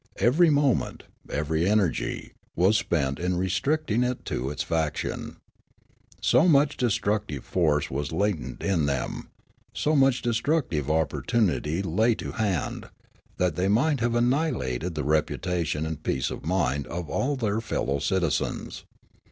Every moment, every energy, was spent in restricting it to this fraction. So much destructive force was latent in them, so much destructive opportunity lay to hand, that they might have annihilated the reputation and peace of mind of all their fellow citizens.